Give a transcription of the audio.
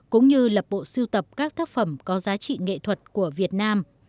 cũng như lập bộ siêu tập các tác phẩm có giá trị nghệ thuật của việt nam